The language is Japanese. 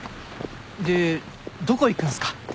でどこ行くんすか？